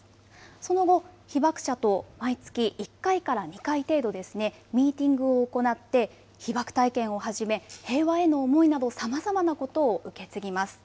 その後、被爆者と毎月１回から２回程度、ミーティングを行って、被爆体験をはじめ、平和への思いなどさまざまなことを受け継ぎます。